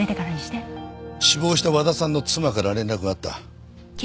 死亡した和田さんの妻から連絡があった。